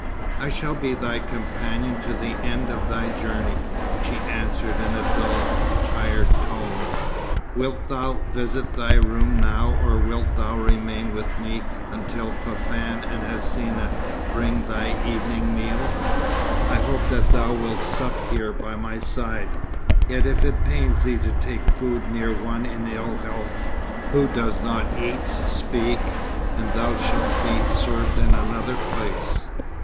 "I shall be thy companion to the end of thy journey," she answered in a dull, tired tone. "Wilt thou visit thy room now, or wilt thou remain with me until Fafann and Hsina bring thy evening meal? I hope that thou wilt sup here by my side: yet if it pains thee to take food near one in ill health, who does not eat, speak, and thou shalt be served in another place."